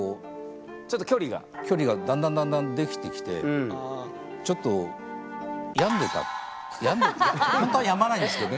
距離がだんだんだんだんできてきてちょっと本当は病まないんですけどね。